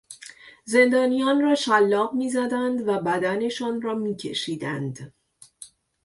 زندانیان را شلاق میزدند و بدنشان را میکشیدند.